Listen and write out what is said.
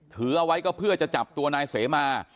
ถือเอาไว้ก็เพื่อจะจับตัวนายเสมา